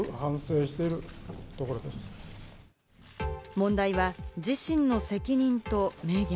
問題は自身の責任と明言。